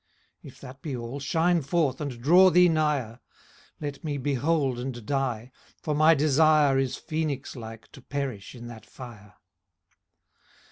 If that be all, shine forth and draw thee nigher ; Let me behold and die, for my desire Is, phcenix like, to perish in that fire.